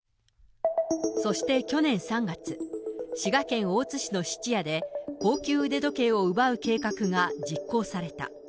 そして去年３月、滋賀県大津市の質屋で高級腕時計を奪う計画が実行された。